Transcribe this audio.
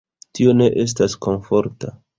Tio ne estas komforta.